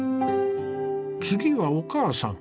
次はお母さん。